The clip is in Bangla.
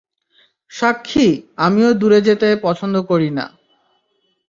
সাক্ষী, আমিও দূরে যেতে পছন্দ করি না।